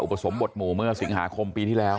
สมบทหมู่เมื่อสิงหาคมปีที่แล้ว